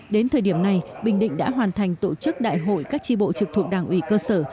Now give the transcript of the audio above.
đến thời điểm này bình định đã hoàn thành tổ chức đại hội các tri bộ trực thuộc đảng ủy cơ sở